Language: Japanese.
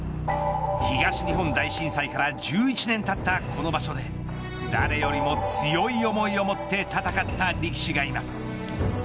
東日本大震災から１１年たったこの場所で誰よりも強い思いを持って戦った力士がいます。